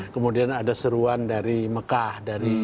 kemudian ada seruan dari mekah